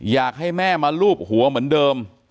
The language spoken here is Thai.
อยากให้แม่มาลูบหัวเหมือนเดิม